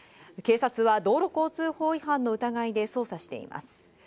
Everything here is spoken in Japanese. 警察は道路交通法違反の疑いで捜査しています。